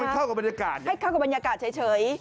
เข้ากับบรรยากาศให้เข้ากับบรรยากาศเฉย